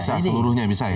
bisa seluruhnya bisa ya